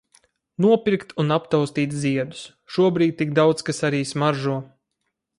Nopirkt un aptaustīt ziedus. Šobrīd tik daudz kas arī smaržo.